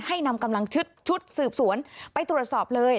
นำกำลังชุดสืบสวนไปตรวจสอบเลย